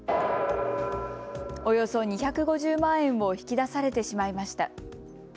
およそ２５０万円を引き出されてしまいました。